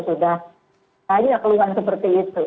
tidak keluhan seperti itu